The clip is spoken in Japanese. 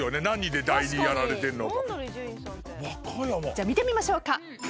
じゃあ見てみましょうか。